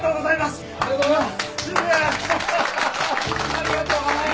ありがとうございます。